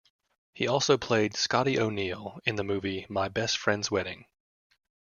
He also played Scotty O'Neal in the movie "My Best Friend's Wedding".